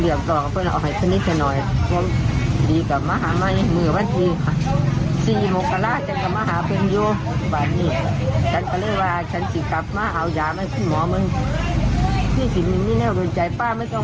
เหลี่ยมต่อกับคุณเอาให้คุณนิดเท่าหน่อยดีกับมหาไม่มือ